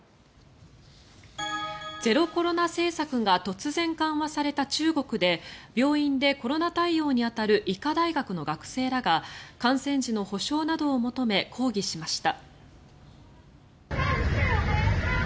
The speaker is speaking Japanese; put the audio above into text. ゼロコロナ政策が突然緩和された中国で病院でコロナ対応に当たる医科大学の学生らが感染時の補償などを求め抗議しました。